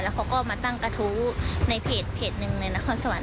เขาก็มาตั้งกระทู้ในเพจหนึ่งในนครสวรรค